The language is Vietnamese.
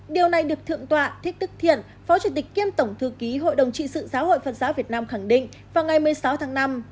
điều này được thượng tọa thích đức thiện phó chủ tịch kiêm tổng thư ký hội đồng trị sự giáo hội phật giáo việt nam khẳng định vào ngày một mươi sáu tháng năm